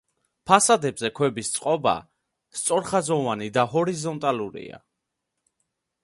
ფასადებზე ქვების წყობა სწორხაზოვანი და ჰორიზონტალურია.